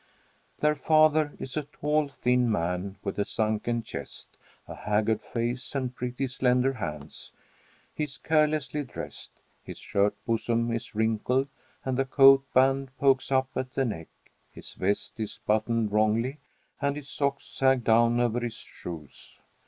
Their father is a tall thin man with a sunken chest, a haggard face, and pretty, slender hands. He is carelessly dressed. His shirt bosom is wrinkled and the coat band pokes up at the neck; his vest is buttoned wrongly and his socks sag down over his shoes.